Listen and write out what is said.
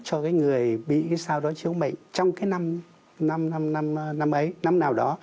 cho cái người bị cái sao đó chiếu mệnh trong cái năm năm ấy năm nào đó